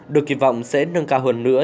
được kỳ vọng sẽ nâng cao hơn nữa